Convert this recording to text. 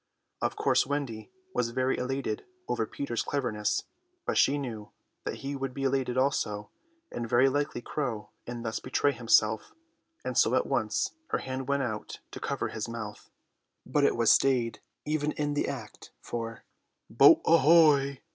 Of course Wendy was very elated over Peter's cleverness; but she knew that he would be elated also and very likely crow and thus betray himself, so at once her hand went out to cover his mouth. But it was stayed even in the act, for "Boat ahoy!"